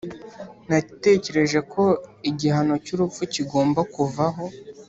natekereje ko igihano cyurupfu kigomba kuvaho.